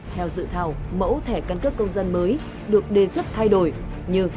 theo dự thảo mẫu thẻ căn cước công dân mới được đề xuất thay đổi như